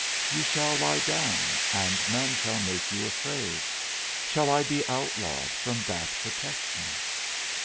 You shall lie down, and none shall make you afraid: shall I be outlawed from that protection?